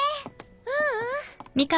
ううん。